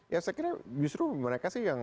ya saya kira justru mereka sih yang